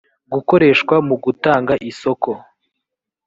gukoreshwa mu gutanga isoko